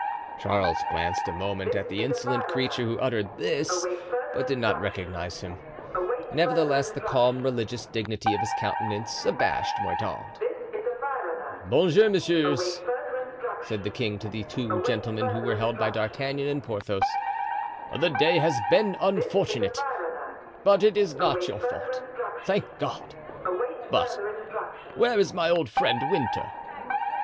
Charles glanced a moment at the insolent creature who uttered this, but did not recognize him. Nevertheless, the calm religious dignity of his countenance abashed Mordaunt. "Bon jour, messieurs!" said the king to the two gentlemen who were held by D'Artagnan and Porthos. "The day has been unfortunate, but it is not your fault, thank God! But where is my old friend Winter?"